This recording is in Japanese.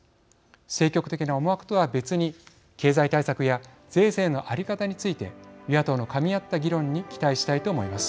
政局的な思惑とは別に経済対策や税制の在り方について与野党のかみ合った議論に期待したいと思います。